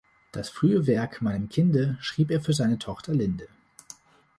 Das frühe Werk „Meinem Kinde“ schrieb er für seine Tochter Linde.